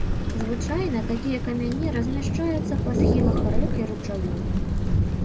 Звычайна такія камяні размяшчаюцца па схілах рэк і ручаёў.